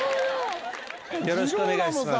よろしくお願いします。